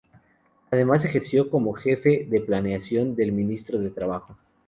Además ejerció como Jefe de Planeación del Ministerio de Trabajo.